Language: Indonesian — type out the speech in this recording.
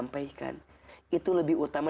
mereka sudah kasar